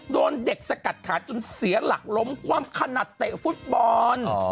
โดนเด็กสกัดขาจนเสียหลักล้มคว่ำขนาดเตะฟุตบอล